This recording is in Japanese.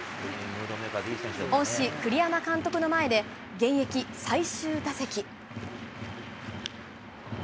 恩師、栗山監督の前で、現役最終打席。